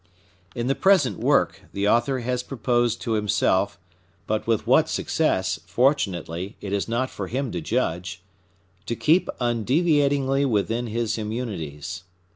In the present work, the author has proposed to himself—but with what success, fortunately, it is not for him to judge—to keep undeviatingly within his immunities.